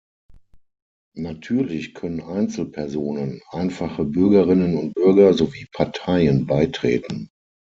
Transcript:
Natürlich können Einzelpersonen, einfache Bürgerinnen und Bürger sowie Parteien beitreten.